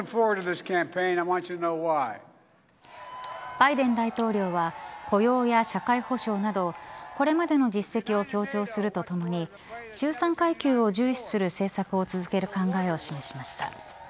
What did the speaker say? バイデン大統領は雇用や社会保障などこれまでの実績を強調するとともに中産階級を重視する政策を続ける考えを示しました。